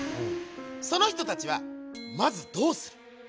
その人たちはまずどうする？